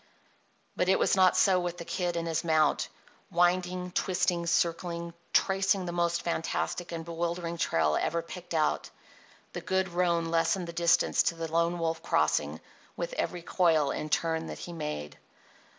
But it was not so with the Kid and his mount. Winding, twisting, circling, tracing the most fantastic and bewildering trail ever picked out, the good roan lessened the distance to the Lone Wolf Crossing with every coil and turn that he made.